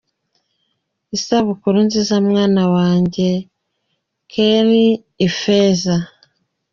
Isabukuru nziza mwana wanjye Khloe Ifeza.